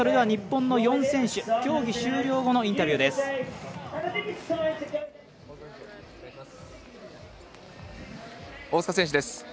日本の４選手競技終了後のインタビューです。